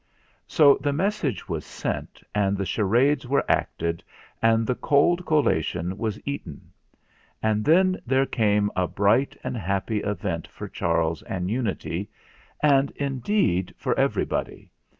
So the message was sent and the charades were acted and the cold collation was eaten; and then there came a bright and happy event for Charles and Unity, and indeed for every body.